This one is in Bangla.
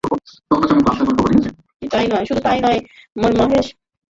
শুধু তা-ই নয়, মহেশ মাঞ্জারকারের একটি ছবিতেও তাঁর অভিনয়ের সম্ভাবনা রয়েছে।